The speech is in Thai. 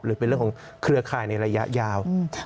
หรือเป็นเรื่องของเครือข่ายในระยะยาว